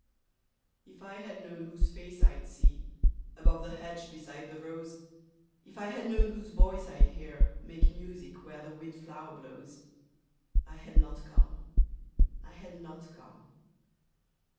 F I had known whose face I'd see Above the hedge, beside the rose ; If I had known whose voice I'd hear Make music where the wind flower blows, I had not come ; I had not come.